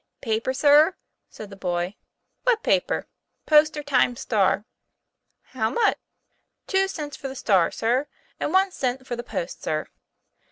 " Paper, sir ?" said the boy. " What paper ?"" Post or Times Star:' " How much ?"" Two cents for the Star, sir, and one cent for the Post, sir."